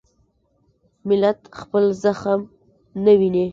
ملت خپل زخم نه ویني.